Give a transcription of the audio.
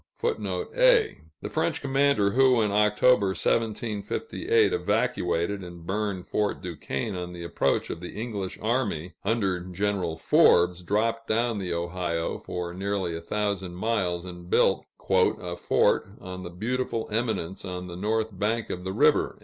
[A] The French commander who, in October, 1758, evacuated and burned Fort Duquesne on the approach of the English army under General Forbes, dropped down the Ohio for nearly a thousand miles, and built "a new fort on a beautiful eminence on the north bank of the river."